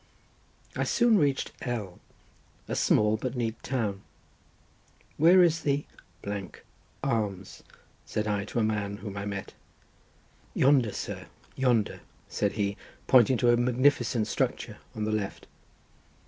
I soon reached L—, a small but neat town. "Where is the — Arms?" said I to a man whom I met. "Yonder, sir, yonder," said he, pointing to a magnificent structure on the left.